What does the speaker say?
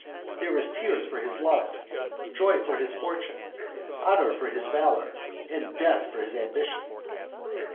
"There is tears for his love; joy for his fortune; honor for his valor, and death for his ambition!